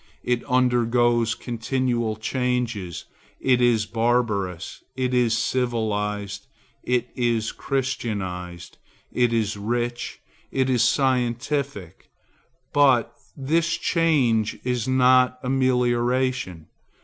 It undergoes continual changes; it is barbarous, it is civilized, it is christianized, it is rich, it is scientific; but this change is not amelioration.